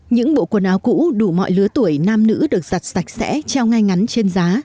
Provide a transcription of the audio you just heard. những bộ quần áo cũ đủ mọi lứa tuổi nam nữ được giặt sạch sẽ treo ngay ngắn trên giá